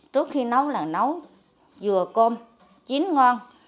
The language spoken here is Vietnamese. trước khi nấu là nấu dừa cơm chín ngon